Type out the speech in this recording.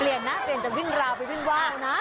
เปลี่ยนนะเปลี่ยนจากวิ่งราวไปวิ่งว้าวนะ